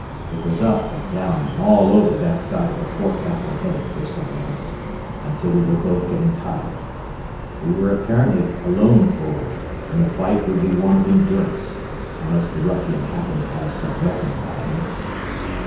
It was up and down and all over that side of the forecastle head for some minutes, until we were both getting tired. We were apparently alone forward, and the fight would be one of endurance, unless the ruffian happened to have some weapon about him.